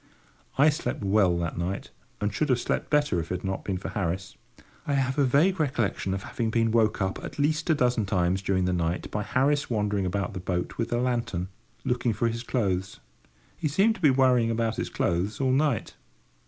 I slept well that night, and should have slept better if it had not been for Harris. I have a vague recollection of having been woke up at least a dozen times during the night by Harris wandering about the boat with the lantern, looking for his clothes. He seemed to be worrying about his clothes all night.